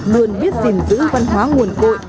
luôn biết giữ văn hóa nguồn cội